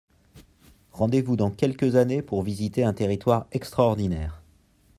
Rendez-vous dans quelques années pour visiter un territoire extraordinaire.